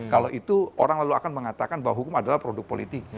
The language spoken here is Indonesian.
kalau itu orang lalu akan mengatakan bahwa hukum adalah produk politik